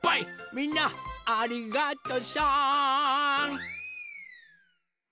みんなありがとさん！